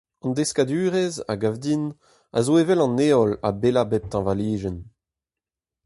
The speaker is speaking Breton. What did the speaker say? An deskadurezh, a gav din, a zo evel an heol a bella pep teñvalijenn.